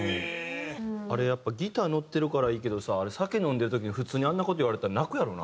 あれやっぱギター乗ってるからいいけどさ酒飲んでる時に普通にあんな事言われたら泣くやろな。